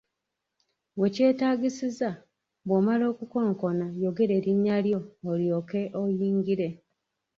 Wekyetaagisiza, bw’omala okukonkona yogera erinnya lyo olyoke oyingire.